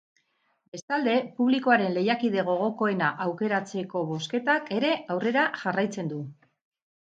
Bestalde, publikoaren lehiakide gogokoena aukeratzeko bozketak ere aurrera jarraitzen du.